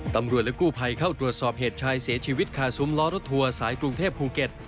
ตำรวจและกู้ภัยเข้าตรวจสอบเหตุชายเสียชีวิตคาซุ้มล้อรถทัวร์สายกรุงเทพภูเก็ต